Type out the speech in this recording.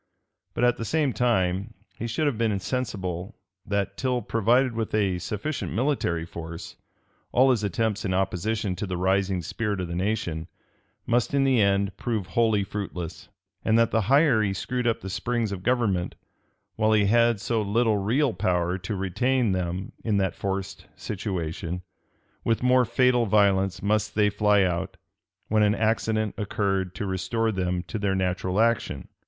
But at the same time, he should have been sensible that, till provided with a sufficient military force, all his attempts in opposition to the rising spirit of the nation, must in the end prove wholly fruitless; and that the higher he screwed up the springs of government, while he had so little real power to retain them in that forced situation, with more fatal violence must they fly out, when any accident occurred to restore them to their natural action.